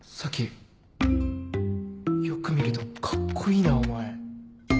よく見るとカッコいいなお前。